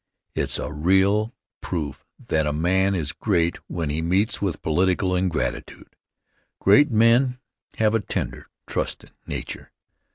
It's a real proof that a man is great when he meets with political ingratitude. Great men have a tender, trustin' nature.